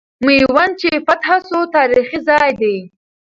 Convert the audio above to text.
میوند چې فتح سو، تاریخي ځای دی.